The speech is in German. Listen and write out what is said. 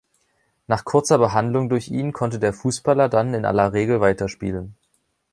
Nach kurzer Behandlung durch ihn konnte der Fußballer dann in aller Regel weiterspielen.